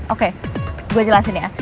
oke gue jelasin ya